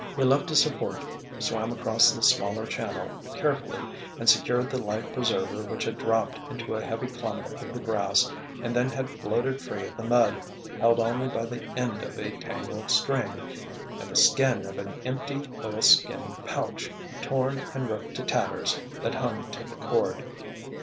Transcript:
He left his support, swam across the smaller channel, carefully, and secured the life preserver which had dropped into a heavy clump of the grass and then had floated free of the mud, held only by the end of a tangled string—and the skin of an empty, oilskin pouch, torn and ripped to tatters, that hung to the cord.